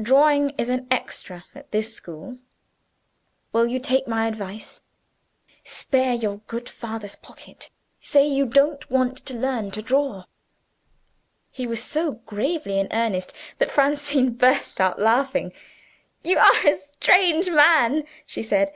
Drawing is an 'Extra' at this school. Will you take my advice? Spare your good father's pocket; say you don't want to learn to draw." He was so gravely in earnest that Francine burst out laughing. "You are a strange man," she said.